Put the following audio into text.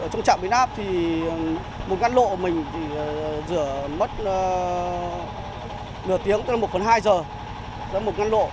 trong trạm biển áp thì một ngăn lộ mình rửa mất nửa tiếng tức là một phần hai giờ